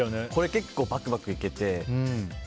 結構バクバクいけて。